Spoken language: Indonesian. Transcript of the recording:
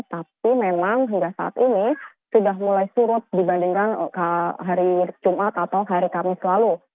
tapi memang hingga saat ini sudah mulai surut dibandingkan hari jumat atau hari kamis lalu